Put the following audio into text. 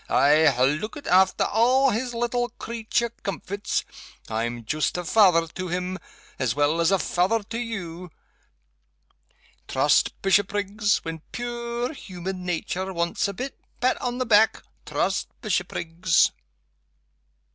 I ha' lookit after a' his little creature comforts I'm joost a fether to him, as well as a fether to you. Trust Bishopriggs when puir human nature wants a bit pat on the back, trust Bishopriggs."